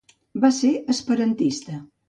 Va ser esperantista.